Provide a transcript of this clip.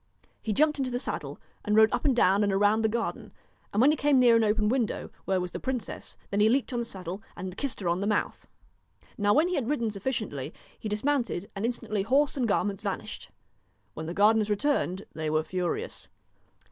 He jumped into the saddle and rode up and down and around the garden, and when he came near the open window, where was the princess, then he leaped on the saddle, and kissed her on the mouth. Now when he had ridden sufficiently, he dismount ed, and instantly horse and garments vanished. When the gardeners returned they were furious.